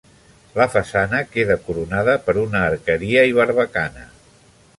La façana queda coronada per una arqueria i barbacana.